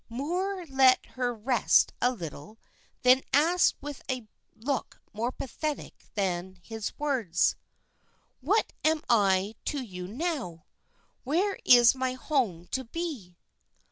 Moor let her rest a little, then asked with a look more pathetic than his words "What am I to you now? Where is my home to be?"